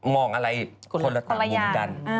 มองอะไรคนละต่างมุมกัน